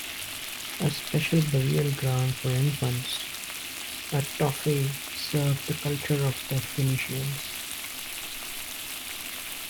A special burial ground for infants, a "tophet" served the culture of the Phoenicians.